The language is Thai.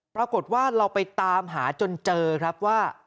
ปรากฏว่าเราไปตามหาจนเจอครับว่า